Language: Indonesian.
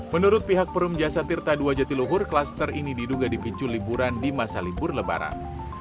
menurut pihak perum jasa tirta ii jatiluhur klaster ini diduga dipicu liburan di masa libur lebaran